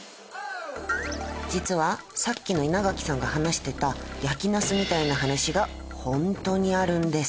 実はさっきの稲垣さんが話してた焼きナスみたいな話がホントにあるんです。